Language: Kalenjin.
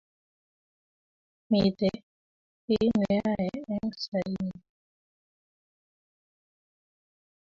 Mito kiy ne yae eng sainyu